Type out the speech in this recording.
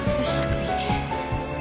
次